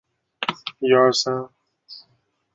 鸟媒花的花期也与蜂鸟的生殖季同期。